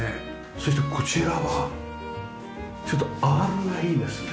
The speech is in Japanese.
そしてこちらはちょっとアールがいいですね。